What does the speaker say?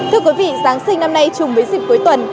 thưa quý vị giáng sinh năm nay chung với dịp cuối tuần